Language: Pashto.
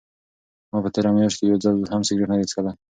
ما په تېره میاشت کې یو ځل هم سګرټ نه دی څښلی.